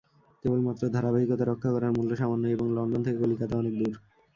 কেবল মাত্র ধারাবাহিকতা রক্ষা করার মূল্য সামান্যই এবং লণ্ডন থেকে কলিকাতা অনেক দূর।